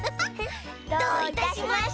どういたしまして！